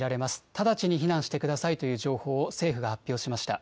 直ちに避難してくださいという情報を政府が発表しました。